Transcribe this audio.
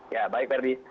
ya baik herdi